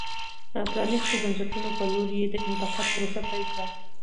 پرانیستو بنسټونو په لور یې د انتقال پروسه پیل کړه.